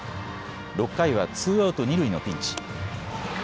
６回はツーアウト二塁のピンチ。